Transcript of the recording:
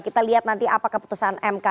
kita lihat nanti apa keputusan mk